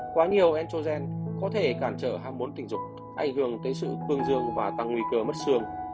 quá nhiều antogen có thể cản trở ham muốn tình dục ảnh hưởng tới sự tương dương và tăng nguy cơ mất xương